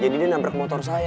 jadi dia nabrak motor saya